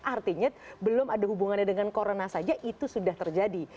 artinya belum ada hubungannya dengan corona saja itu sudah terjadi